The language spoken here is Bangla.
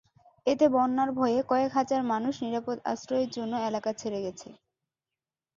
এতে বন্যার ভয়ে কয়েক হাজার মানুষ নিরাপদ আশ্রয়ের জন্য এলাকা ছেড়ে গেছে।